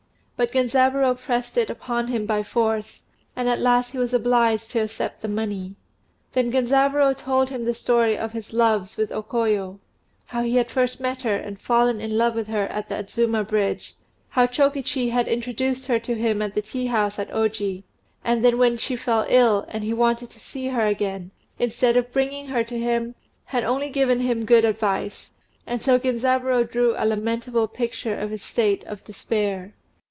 But Genzaburô pressed it upon him by force, and at last he was obliged to accept the money. Then Genzaburô told him the whole story of his loves with O Koyo how he had first met her and fallen in love with her at the Adzuma Bridge; how Chokichi had introduced her to him at the tea house at Oji, and then when she fell ill, and he wanted to see her again, instead of bringing her to him, had only given him good advice; and so Genzaburô drew a lamentable picture of his state of despair.